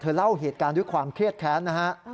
เล่าเหตุการณ์ด้วยความเครียดแค้นนะฮะ